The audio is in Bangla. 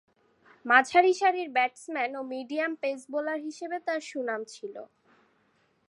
মাঝারিসারির ব্যাটসম্যান ও মিডিয়াম পেস বোলার হিসেবে তার সুনাম ছিল।